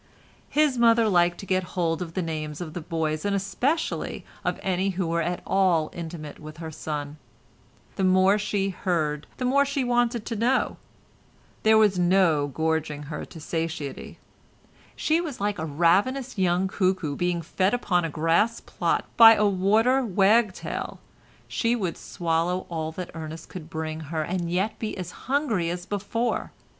His mother liked to get hold of the names of the boys and especially of any who were at all intimate with her son; the more she heard, the more she wanted to know; there was no gorging her to satiety; she was like a ravenous young cuckoo being fed upon a grass plot by a water wag tail, she would swallow all that Ernest could bring her, and yet be as hungry as before.